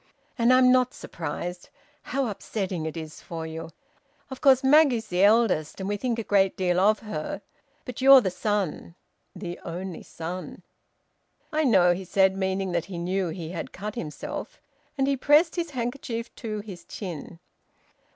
"And I'm not surprised. How upsetting it is for you! Of course Maggie's the eldest, and we think a great deal of her, but you're the son the only son!" "I know," he said, meaning that he knew he had cut himself, and he pressed his handkerchief to his chin.